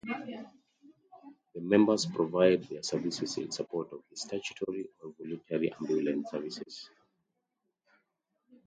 The members provide their services in support of the statutory or voluntary ambulance services.